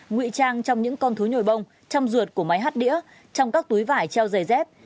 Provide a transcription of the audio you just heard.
ngụy trang trong những con thú nhồi bông trong ruột của máy hắt đĩa trong các túi vải treo dày dép